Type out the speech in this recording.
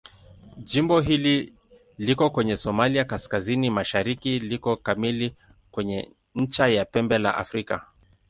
Jimbo hili liko kwenye Somalia kaskazini-mashariki liko kamili kwenye ncha ya Pembe la Afrika.